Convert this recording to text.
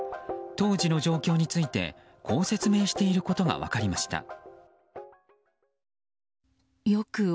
当時の状況についてこう説明していることが分かりました。